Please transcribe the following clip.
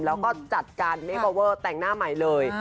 แล้วก็จัดการเมอเวอร์แต่งหน้าใหม่เลย